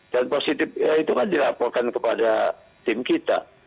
dan positif itu kan dilaporkan kepada tim kita